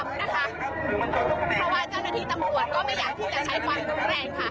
เพราะว่าเจ้าหน้าที่ตำรวจก็ไม่อยากที่จะใช้ความรุนแรงค่ะ